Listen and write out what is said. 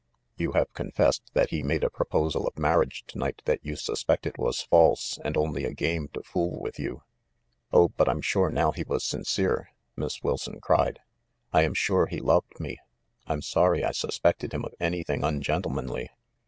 [You have confessed that he made a proposal of mar riage to night that you suspected was false and only a game to fool you with." "Oh, but I'm sure now he was sincere !" Miss Wil son cried. "I am sure he loved me ! I'm sorry I sus pected him of anything ungentlemanly